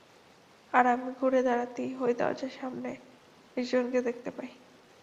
আর আমি ঘুরে দাঁড়াতেই ওই দরজার সামনে একজনকে দেখতে পাই।